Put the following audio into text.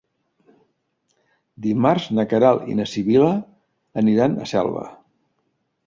Dimarts na Queralt i na Sibil·la aniran a Selva.